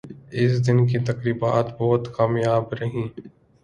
اس دن کی تقریبات بہت کامیاب رہیں